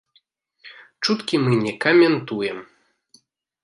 Чуткі мы не ка-мен-ту-ем.